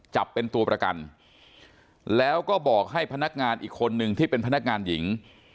จับเป็นตัวประกันแล้วก็บอกให้พนักงานอีกคนนึงที่เป็นพนักงานหญิง